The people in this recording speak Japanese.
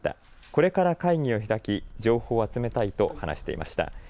これから会議を開き情報を集めたいと話していました。